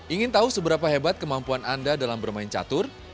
ingin tahu seberapa hebat kemampuan anda dalam bermain catur